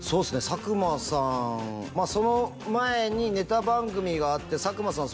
佐久間さんまあその前にネタ番組があって佐久間さん